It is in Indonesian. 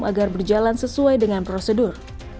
agar berjalan sesuai dengan prosedur